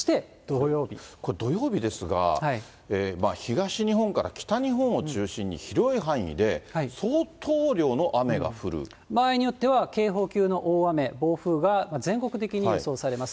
これ、土曜日ですが、東日本から北日本を中心に、場合によっては、警報級の大雨、暴風が全国的に予想されます。